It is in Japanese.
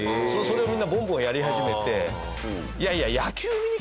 それをみんなボンボンやり始めて。